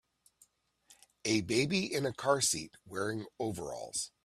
a baby in a car seat wearing overalls